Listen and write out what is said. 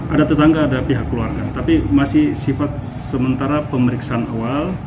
ada tetangga ada pihak keluarga tapi masih sifat sementara pemeriksaan awal